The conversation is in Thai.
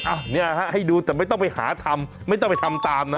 อ่ะเนี่ยฮะให้ดูแต่ไม่ต้องไปหาทำไม่ต้องไปทำตามนะ